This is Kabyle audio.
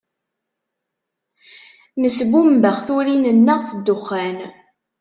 Nesbumbex turin-nneɣ s ddexxan.